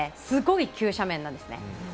すごい急斜面なんですね。